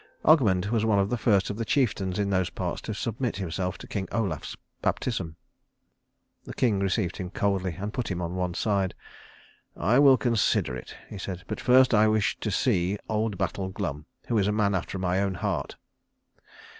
Ogmund was one of the first of the chieftains in those parts to submit himself to King Olaf's baptism. The king received him coldly and put him on one side. "I will consider of it," he said, "but first I wish to see old Battle Glum, who is a man after my own heart."